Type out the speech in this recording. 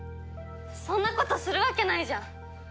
そんなことするわけないじゃん！